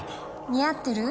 似合ってる？